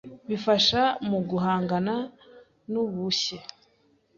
bifasha mu guhangana n’ubushye